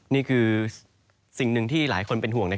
นี่คือสิ่งหนึ่งที่หลายคนเป็นห่วง